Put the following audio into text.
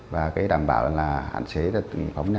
và cái đảm bảo là hạn chế phóng nhanh vượt ẩu trong cái dịp cuối năm này